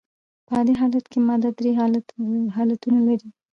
په عادي حالت کي ماده درې حالتونه لري.